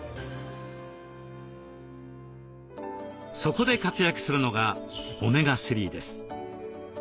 そこで活躍するのがオメガ３です。